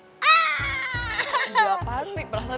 iya panik berasa